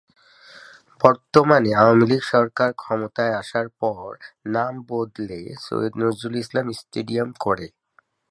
বর্তমানে আওয়ামী লীগ সরকার ক্ষমতায় আসার পর নাম বদলে সৈয়দ নজরুল ইসলাম স্টেডিয়াম করে।